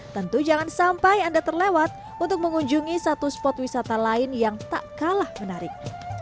tentu jangan sampai anda terlewat untuk mengunjungi satu spot wisata lain yang tak kalah menarik